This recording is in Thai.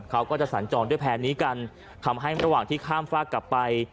เขาก็จะสัญจรด้วยแพร่นี้กันทำให้ระหว่างที่ข้ามฝากกลับไป